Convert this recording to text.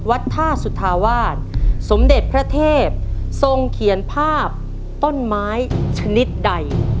วัดท่าสุธาวาสสมเด็จพระเทพทรงเขียนภาพต้นไม้ชนิดใด